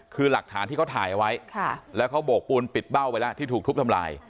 คือหลักฐานที่เขาถ่ายเอาไว้แล้วเขาโบกปูนปิดเบ้าไปแล้วที่ถูกทุบทำลาย